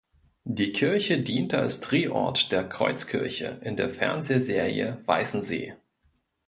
Die Kirche diente als Drehort der "Kreuzkirche" in der Fernsehserie Weissensee.